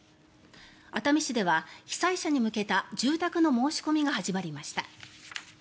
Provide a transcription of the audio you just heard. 熱海市では被災者に向けた住宅の申し込みが始まりました。